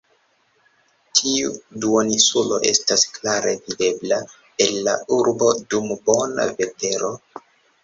Tiu duoninsulo estas klare videbla el la urbo dum bona vetero.